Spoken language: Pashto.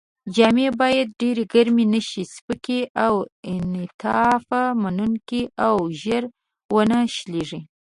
جامې باید ډېرې ګرمې نه شي، سپکې، انعطاف منوونکې او ژر و نه شلېږي.